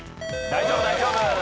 大丈夫大丈夫。